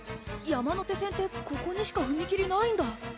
山手線ってここにしか踏切ないんだ。